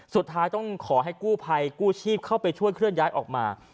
สุดท้ายต้องขอให้กู้ภัยกู้ชีพเข้าไปช่วยเคลื่อนย้ายออกมา